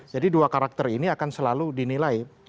jadi dua karakter ini akan selalu dinilai